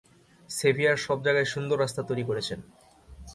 Severe সব জায়গায় সুন্দর রাস্তা তৈরী করেছেন।